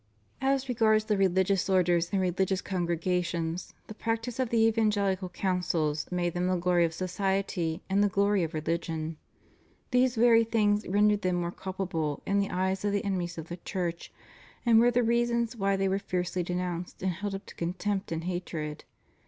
As regards the religious orders and religious con gregations, the practice of the evangelical counsels made them the glory of society and the glory of religion. These very things rendered them more culpable in the eyes of the enemies of the Church and were the reasons why they were fiercely denounced and held up to contempt and hatred.